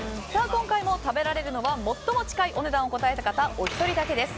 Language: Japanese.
今回も食べられるのは最も近いお値段を答えた方お一人だけです。